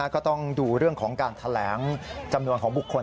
ก็ต้องดูเรื่องของการแถลงจำนวนของบุคคล